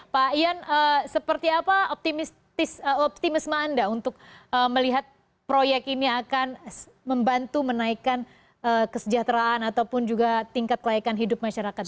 pak ian seperti apa optimisme anda untuk melihat proyek ini akan membantu menaikkan kesejahteraan ataupun juga tingkat kelayakan hidup masyarakat